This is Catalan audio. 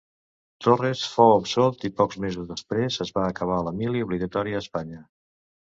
Torres fou absolt i pocs mesos després es va acabar la mili obligatòria a Espanya.